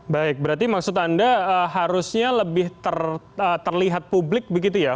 baik berarti maksud anda harusnya lebih terlihat publik begitu ya